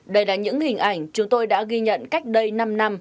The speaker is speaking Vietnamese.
đây là những hình ảnh chúng tôi đã ghi nhận cách đây năm năm